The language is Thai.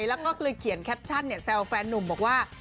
แล้วก็เคยเขียนแคปชั่นแซวแฟนนุ่มบอกว่า